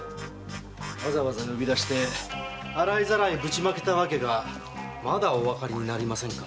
わざわざ呼び出して洗いざらいぶちまけた訳がまだおわかりになりませんか？